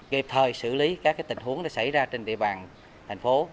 kịp thời xử lý các tình huống xảy ra trên địa bàn thành phố